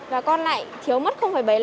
và con lại thiếu mất bảy mươi năm